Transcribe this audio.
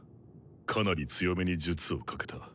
かなり強めに術をかけた。